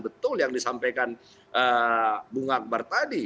betul yang disampaikan bung akbar tadi